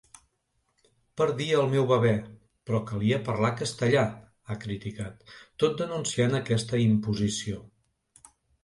“Perdia el meu bebè, però calia parlar castellà”, ha criticat, tot denunciant aquesta “imposició”.